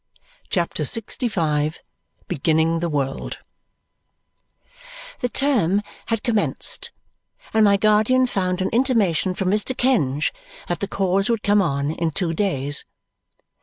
CHAPTER LXV Beginning the World The term had commenced, and my guardian found an intimation from Mr. Kenge that the cause would come on in two days.